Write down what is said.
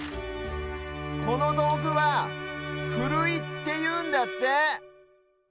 このどうぐは「ふるい」っていうんだって。